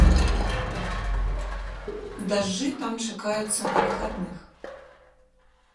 Дажджы там чакаюцца на выхадных.